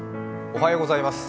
おはようございます。